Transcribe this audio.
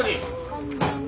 こんばんは。